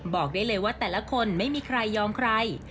บอกได้เลยว่าแต่ละคนไม่มีใครยอมใคร